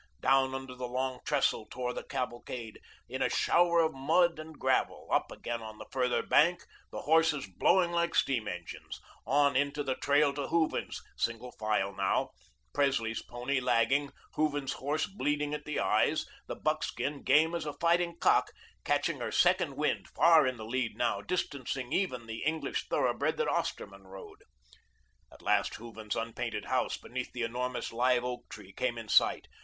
Down under the Long Trestle tore the cavalcade in a shower of mud and gravel; up again on the further bank, the horses blowing like steam engines; on into the trail to Hooven's, single file now, Presley's pony lagging, Hooven's horse bleeding at the eyes, the buckskin, game as a fighting cock, catching her second wind, far in the lead now, distancing even the English thoroughbred that Osterman rode. At last Hooven's unpainted house, beneath the enormous live oak tree, came in sight.